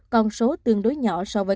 còn số tương đối nhỏ so với các ca nhiễm